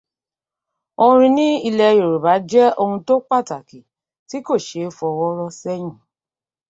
Orín ní ilẹ̀ Yorùbá jẹ́ ohun tó pàtàkì, tí kò ṣeé fọwọ́ rọ́ sẹ́yìn.